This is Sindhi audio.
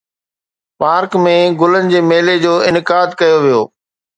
پارڪ ۾ گلن جي ميلي جو انعقاد ڪيو ويو